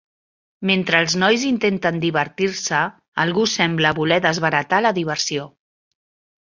Mentre els nois intenten divertir-se, algú sembla voler desbaratar la diversió.